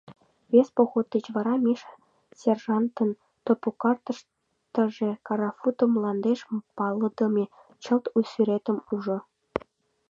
Вес поход деч вара Миша сержантын топокартыштыже Карафуто мландеш палыдыме чылт у сӱретым ужо.